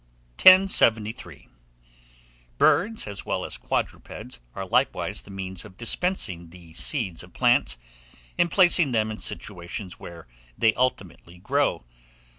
"] 1073. BIRDS, AS WELL AS QUADRUPEDS, are likewise the means of dispersing the seeds of plants, and placing them in situations where they ultimately grow.